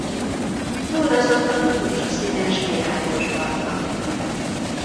Tollazata rózsaszínes világosbarna.